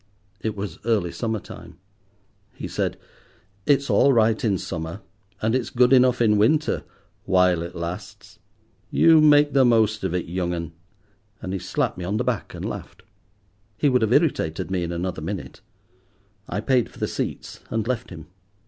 It was early summer time. He said—"It's all right in summer, and it's good enough in winter—while it lasts. You make the most of it, young 'un;" and he slapped me on the back and laughed. He would have irritated me in another minute. I paid for the seats and left him.